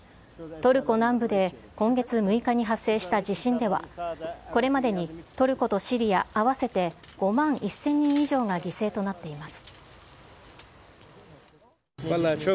トルコ南部で今月６日に発生した地震では、これまでにトルコとシリア合わせて５万１０００人以上が犠牲となっています。